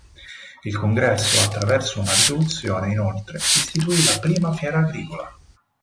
Il Congresso, attraverso una risoluzione, inoltre, istituì la prima fiera agricola.